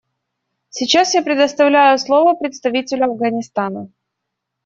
Сейчас я предоставляю слово представителю Афганистана.